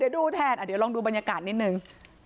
เดี๋ยวลองดูบรรยากาศนิดนึง